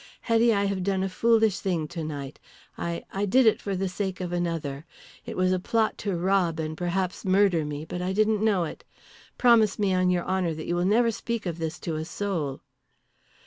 Hetty, I have done a foolish thing tonight. I I did it for the sake of another. It was a plot to rob and perhaps murder me, but I didn't know it. Promise me on your honour that you will never speak of this to a soul."